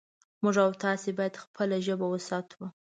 موږ او تاسې باید خپله ژبه وساتو